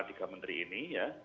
tiga menteri ini